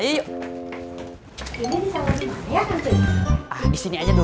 ini di sama cuma ya cek